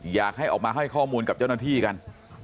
อยากให้ออกมาให้ข้อมูลกับเจ้าหน้าที่กัน